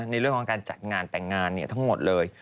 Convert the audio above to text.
ในเรื่องของการจัดงานแต่งงานทั้งหมดเลย